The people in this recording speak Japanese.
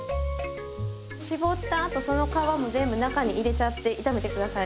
搾った後その皮も全部中に入れちゃって炒めて下さい。